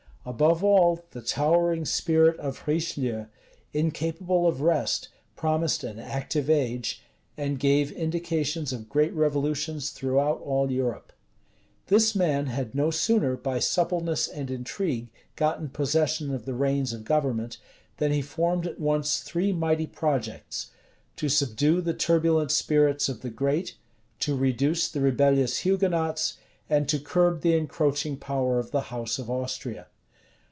Above all, the towering spirit of Richelieu, incapable of rest, promised an active age, and gave indications of great revolutions throughout all Europe. This man had no sooner, by suppleness and intrigue, gotten possession of the reins of government, than he formed at once three mighty projects; to subdue the turbulent spirits of the great, to reduce the rebellious Hugonots, and to curb the encroaching power of the house of Austria.